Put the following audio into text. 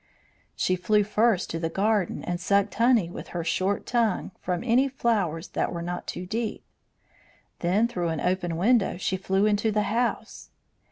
She flew first to the garden and sucked honey with her short tongue from any flowers that were not too deep. Then through an open window she flew into the house.